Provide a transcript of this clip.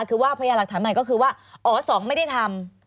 คือว่าพยายามหลักฐานใหม่ก็คือว่าอ๋อสองไม่ได้ทำ